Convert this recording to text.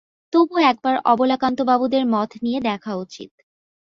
তবু একবার অবলাকান্তবাবুদের মত নিয়ে দেখা উচিত।